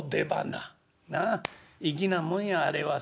なあ粋なもんやあれは。